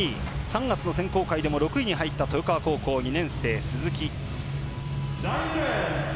３月の選考会でも６位に入った豊川高校２年生の鈴木。